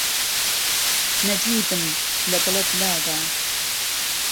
نهجیبم - له دڵت لاده